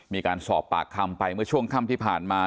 มีการสอบปากคำไปเมื่อช่วงค่ำที่ผ่านมา